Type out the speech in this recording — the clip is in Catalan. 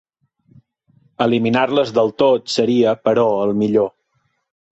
Eliminar-les del tot seria però el millor.